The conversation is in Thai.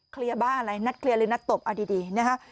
เคลียร์บ้าอะไรนัดเคลียร์หรือนัดตบเอาดีนะครับ